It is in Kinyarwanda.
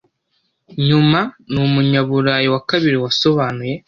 Nyuma ni Umunyaburayi wa kabiri wasobanuye